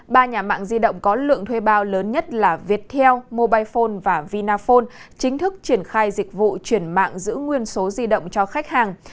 ba nhà mạng di động có lượng thuê bao lớn nhất là viettel mobile phone và vinaphone chính thức triển khai dịch vụ chuyển mạng giữ nguyên số di động cho khách hàng